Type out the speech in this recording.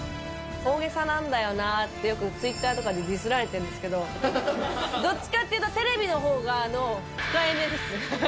大げさなんだよなって、よくツイッターとかでディスられてるんですけど、どっちかっていうと、テレビのほうが控えめですね。